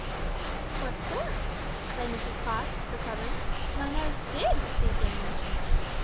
"But sir," said Mrs Podge, recovering, "my nerves did receive damage."